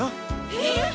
えっ！